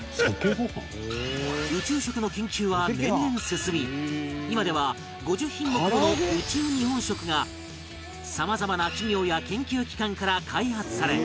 宇宙食の研究は年々進み今では５０品目もの宇宙日本食がさまざまな企業や研究機関から開発され